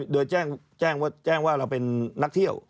โดยแจ้งว่าเราเป็นนักเที่ยว